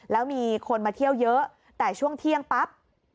แล้วมีคนมาเที่ยวเยอะแต่ช่วงเที่ยงปั๊บ